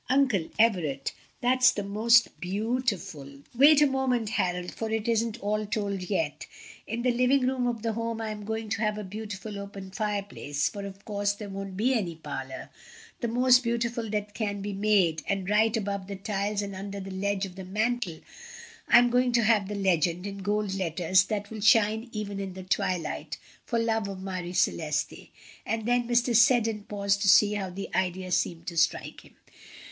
"Uncle Everett, that's the most beautiful" "Wait a moment, Harold, for it isn't all told yet. In the living room of the Home I am going to have a beautiful open fireplace (for of course there won't be any parlor) the most beautiful that can be made and right above the tiles and under the ledge of the mantel I am going to have the legend, in gold letters, that will shine even in the twilight, 'For love of Marie Celeste" and then Mr. Selden paused to see how the idea seemed to strike him.